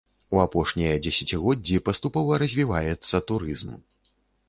У апошнія дзесяцігоддзі паступова развіваецца турызм.